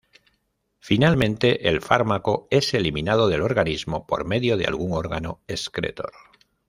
Finalmente, el fármaco es eliminado del organismo por medio de algún órgano excretor.